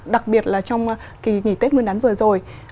đặc biệt là trong kỳ nghỉ tết nguyên đán vừa rồi